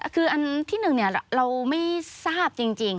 คืออันที่หนึ่งเนี่ยเราไม่ทราบจริง